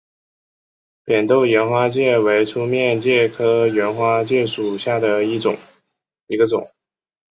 扁豆缘花介为粗面介科缘花介属下的一个种。